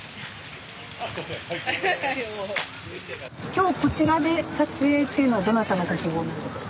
今日こちらで撮影っていうのはどなたのご希望なんですか？